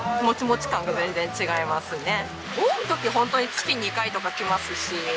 多い時ホントに月２回とか来ますし。